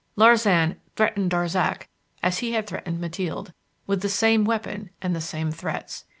Larsan had threatened Darzac as he had threatened Mathilde with the same weapon, and the same threats.